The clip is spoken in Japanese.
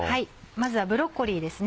まずはブロッコリーですね。